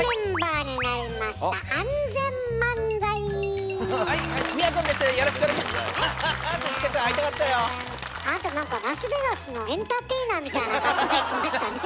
あなたなんかラスベガスのエンターテイナーみたいな格好で来ましたね。